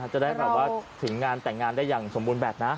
จะได้แบบว่าถึงงานแต่งงานได้อย่างสมบูรณ์แบบนะ